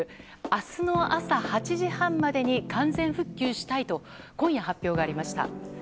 明日の朝８時半までに完全復旧したいと今夜発表がありました。